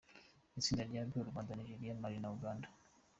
Itsinda rya B: U Rwanda, Nigeria, Mali na Uganda.